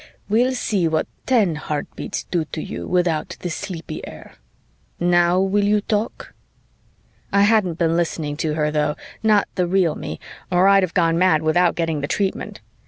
We'll see what ten heartbeats do to you without the sleepy air. Now will you talk?" I hadn't been listening to her, though, not the real me, or I'd have gone mad without getting the treatment.